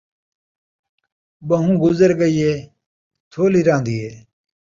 ٻہوں گزر ڳئی ہے، تھولی رہندی ہے